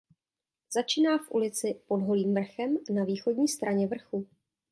Začíná v ulici "Pod Holým vrchem" na východní straně vrchu.